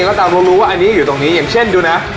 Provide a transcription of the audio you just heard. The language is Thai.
ก็ตามเพราะรู้ว่าอันนี้อยู่ตรงนี้อย่างเช่นดูนะ